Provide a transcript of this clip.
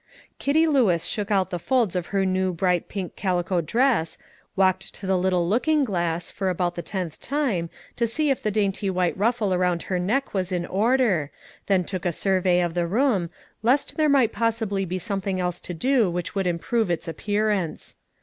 Kitty Lewis shook out the folds of her new bright pink calico dress, walked to the little looking glass, for about the tenth time, to see if the dainty white ruffle around her neck was in order; then took a survey of the room, lest there might possibly be something else to do which would improve its appearance.